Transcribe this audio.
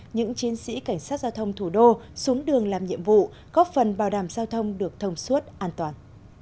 những chiến sĩ cảnh sát giao thông thủ đô xuống đường làm nhiệm vụ góp phần bảo đảm giao thông được thông suốt an toàn